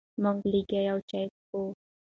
مونږ لګیا یو چای څکو.